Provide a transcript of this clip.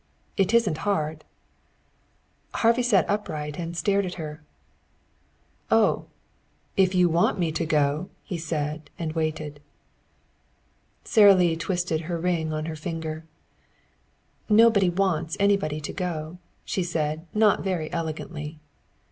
It isn't hard." Harvey sat upright and stared at her. "Oh, if you want me to go " he said, and waited. Sara Lee twisted her ring on her finger. "Nobody wants anybody to go," she said not very elegantly.